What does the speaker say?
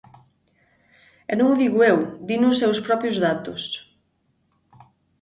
E non o digo eu, dino os seus propios datos.